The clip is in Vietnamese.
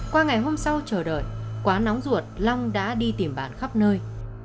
qua ngày hôm sau chờ đợi quá nóng ruột long đã đi tìm bạn khắp nơi